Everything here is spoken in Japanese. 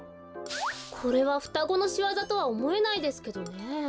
これはふたごのしわざとはおもえないですけどね。